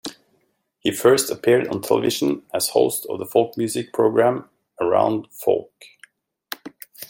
He first appeared on television as host of the folk music programme "Around Folk".